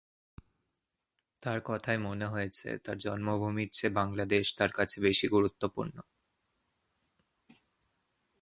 তাঁর কথায় মনে হয়েছে, তাঁর জন্মভূমির চেয়ে বাংলাদেশ তাঁর কাছে বেশি গুরুত্বপূর্ণ।